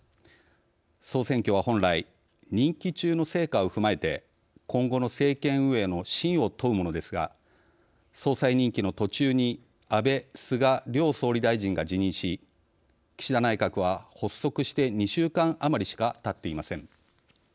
総選挙は本来任期中の成果を踏まえて今後の政権運営の信を問うものですが総裁任期の途中に安倍・菅両総理大臣が辞任し岸田内閣は発足して２週間余りしかたっていません。